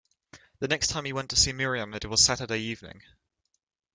The next time he went to see Miriam it was Saturday evening.